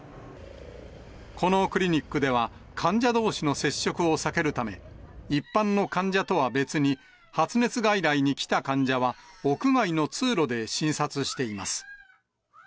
このクリニックでは患者どうしの接触を避けるため、一般の患者とは別に、発熱外来に来た患者は、屋外の通路で診察しています。